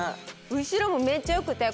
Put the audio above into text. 後ろもめっちゃ良くて。